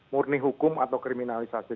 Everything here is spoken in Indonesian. murni hukum atau kriminalisasi